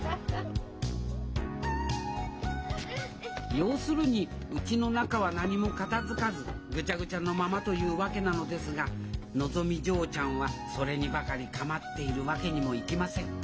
要するにうちの中は何も片づかずグチャグチャのままというわけなのですがのぞみ嬢ちゃんはそれにばかり構っているわけにもいきません